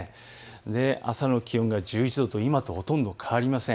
朝の気温が１１度と今とほとんど変わりません。